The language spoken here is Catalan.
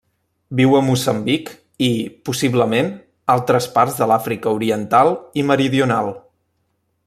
Viu a Moçambic i, possiblement, altres parts de l'Àfrica Oriental i Meridional.